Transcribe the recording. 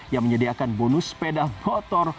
yang menyediakan bonus sepeda motor